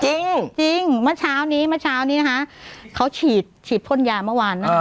จริงจริงเมื่อเช้านี้เมื่อเช้านี้นะคะเขาฉีดฉีดพ่นยาเมื่อวานนะคะ